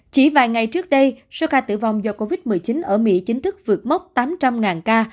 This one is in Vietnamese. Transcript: chỉ vài ngày trước đây số ca tử vong do covid một mươi chín ở mỹ chính thức vượt mốc tám trăm linh ca